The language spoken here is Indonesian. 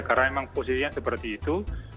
karena memang posisinya seperti itu